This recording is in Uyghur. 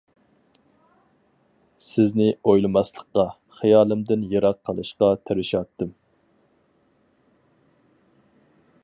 سىزنى ئويلىماسلىققا، خىيالىمدىن يىراق قىلىشقا تىرىشاتتىم.